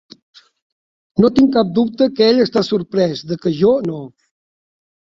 No tinc cap dubte que ell està sorprès de que jo no.